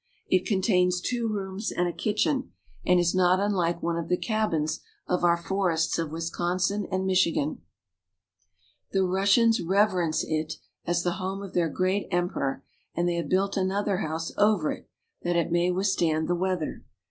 It contains two rooms and a kitchen, and is not unlike one of the cabins of our forests of Wisconsin and Michigan. 338 Russia. The Russians reverence it as the home of their great em peror, and they have built another house over it, that it may withstand the weather.